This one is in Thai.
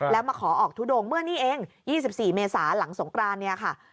แล้วมาขอออกทุดงเมื่อนี้เอง๒๔เมษาหลังสงกรานเนี่ยค่ะ